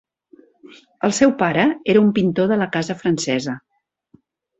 El seu pare era un pintor de la casa francesa.